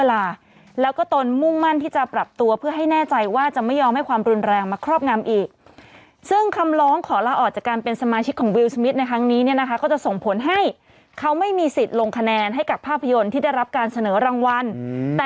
แล้วก็อาจจะเปลี่ยนแผ่นหน้าใหม่เพราะส่วนใหญ่มันจะเป็นไซส์มาตรฐานในคำนี้ดีกว่า